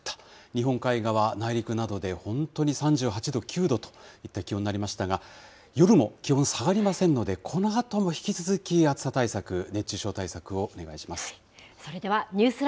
日本海側、内陸などで本当に３８度、９度といった気温になりましたが、夜も気温下がりませんので、このあとも引き続き暑さ対策、それでは、ニュースＬＩＶＥ！